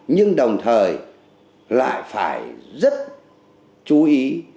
nhưng đồng thời lại phải rất chú ý